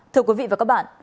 thưa quý vị và các bạn